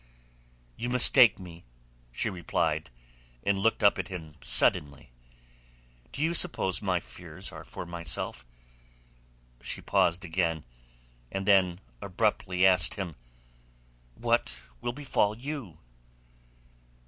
"You mistake me," she replied, and looked up at him suddenly. "Do you suppose my fears are for myself?" She paused again, and then abruptly asked him, "What will befall you?"